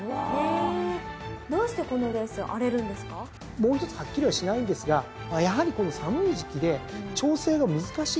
もうひとつはっきりはしないんですがやはりこの寒い時季で調整が難しい。